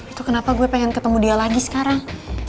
itu kenapa gue pengen ketemu dia lagi sekarang